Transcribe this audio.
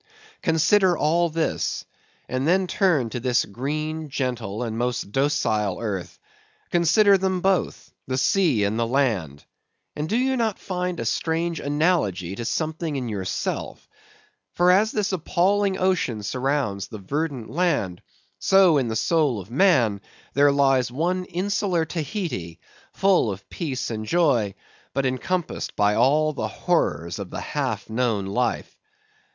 Consider all this; and then turn to this green, gentle, and most docile earth; consider them both, the sea and the land; and do you not find a strange analogy to something in yourself? For as this appalling ocean surrounds the verdant land, so in the soul of man there lies one insular Tahiti, full of peace and joy, but encompassed by all the horrors of the half known life.